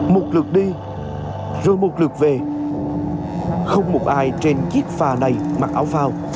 một lượt đi rồi một lượt về không một ai trên chiếc phà này mặc áo phao